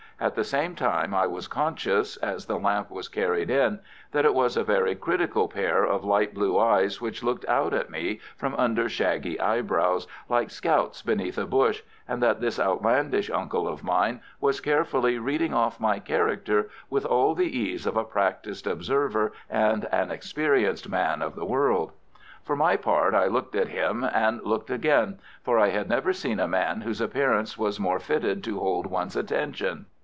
At the same time I was conscious, as the lamp was carried in, that it was a very critical pair of light blue eyes which looked out at me from under shaggy eyebrows, like scouts beneath a bush, and that this outlandish uncle of mine was carefully reading off my character with all the ease of a practised observer and an experienced man of the world. For my part I looked at him, and looked again, for I had never seen a man whose appearance was more fitted to hold one's attention.